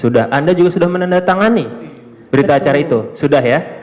sudah anda juga sudah menandatangani berita acara itu sudah ya